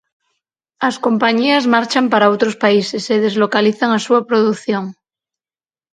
As compañías marchan para outros países e deslocalizan a súa produción.